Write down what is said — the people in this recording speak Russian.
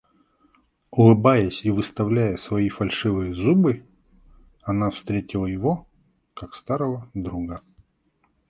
Улыбаясь и выставляя свои фальшивые зубы, она встретила его, как старого друга.